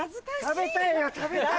食べたいな食べたい！